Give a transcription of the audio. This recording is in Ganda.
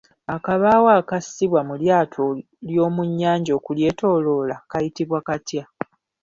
Akabaawo akasibwa mu lyato ly'omu nnyanja okulyetooloola kayitibwa katya?